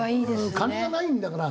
金がないんだから。